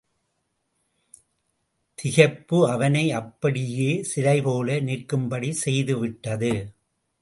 திகைப்பு அவனை அப்படியே சிலைபோல நிற்கும்படி செய்துவிட்டது.